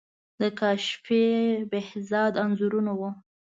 د کاشفی، بهزاد انځورونه وو.